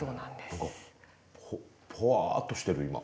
ぽわっとしてる今。